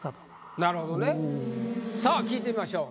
さあ聞いてみましょう。